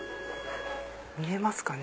見えますかね？